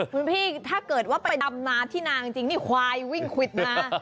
คุณพี่ถ้าเกิดว่าไปดำนาที่นางจริงนี่ควายวิ่งควิดมา